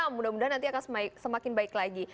mudah mudahan nanti akan semakin baik lagi